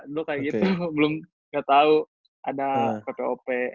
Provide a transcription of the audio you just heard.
dulu kayak gitu belum gak tahu ada ppop